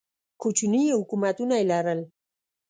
کوچني حکومتونه یې لرل